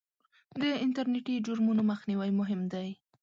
د انټرنېټي جرمونو مخنیوی مهم دی.